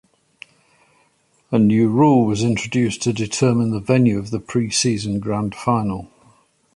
A new rule was introduced to determine the venue of the pre-season Grand Final.